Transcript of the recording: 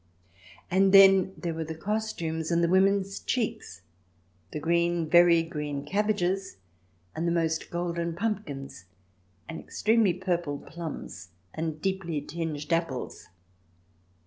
And then there were the costumes and the women's cheeks, and green, very green, cabbages, and the most golden pumpkins, and extremely purple plums, and deeply tinged apples.